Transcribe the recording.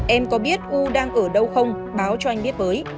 em có biết u đang ở đâu không báo cho anh biết với